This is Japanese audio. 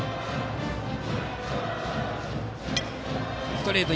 ストレート。